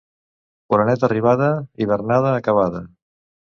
Oreneta arribada, hivernada acabada.